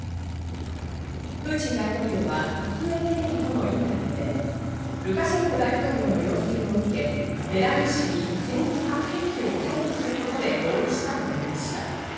プーチン大統領は国営テレビとのインタビューでルカシェンコ大統領の要請を受け、ベラルーシに戦術核兵器を配備することで合意したと述べました。